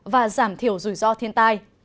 và giảm thiểu rủi ro thiên tai